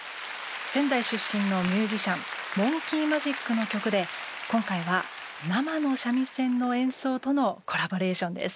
仙台出身のミュージシャンＭＯＮＫＥＹＭＡＪＩＫの曲で今回は生の三味線の演奏とのコラボレーションです。